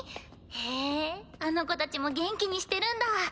へぇあの子たちも元気にしてるんだ。